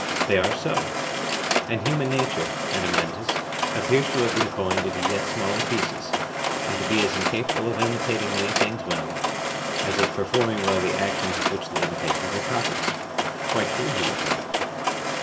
They are so. And human nature, Adeimantus, appears to have been coined into yet smaller pieces, and to be as incapable of imitating many things well, as of performing well the actions of which the imitations are copies. Quite true, he replied.